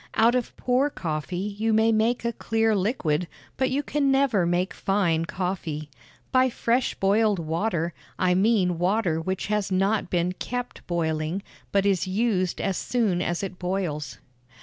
Out of poor coffee you may make a clear liquid, but you can never make fine coffee. By fresh boiled water, I mean water which has not been kept boiling, but is used as soon as it boils.